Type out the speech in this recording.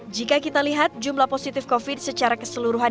jika kita lihat jumlah positif covid secara keseluruhan